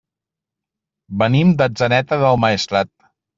Venim d'Atzeneta del Maestrat.